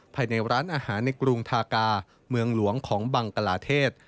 ภายในร้านอาหารในกรุงทากาเมืองหลวงของบังกลาเทศ